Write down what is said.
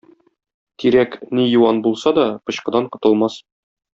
Тирәк, ни юан булса да, пычкыдан котылмас.